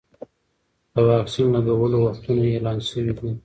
د واکسین لګولو وختونه اعلان شوي دي.